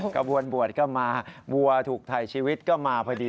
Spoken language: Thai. กระบวนบวชก็มาวัวถูกถ่ายชีวิตก็มาพอดี